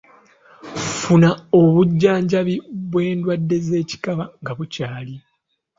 Funa obujjanjabi bw’endwadde z’ekikaba nga bukyali.